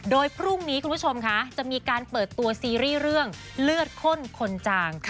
โดยพรุ่งนี้คุณผู้ชมค่ะจะมีการเปิดตัวซีรีส์เรื่องเลือดข้นคนจาง